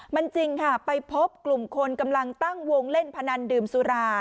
มันจริงค่ะไปพบกลุ่มคนกำลังตั้งวงเล่นพนันดื่มสุรา